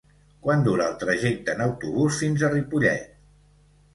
Quant dura el trajecte en autobús fins a Ripollet?